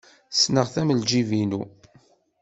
Ssneɣ-t am ljib-inu.